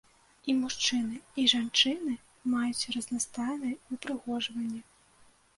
І мужчыны, і жанчыны маюць разнастайныя ўпрыгожванні.